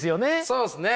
そうっすね。